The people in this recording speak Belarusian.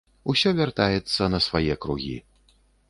Усё вяртаецца на свае кругі.